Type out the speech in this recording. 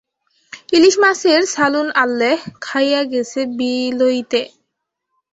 ইলিশ মাছের সালুন আল্লেহ, খাইয়া গেছে বিলইতে।